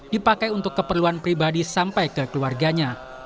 dipakai untuk keperluan pribadi sampai ke keluarganya